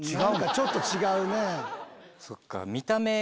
ちょっと違うね。